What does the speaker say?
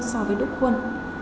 so với đút khuôn